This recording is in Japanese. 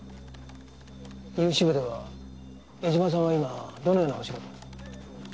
融資部では江島さんは今どのようなお仕事を？